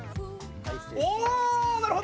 おおーなるほど！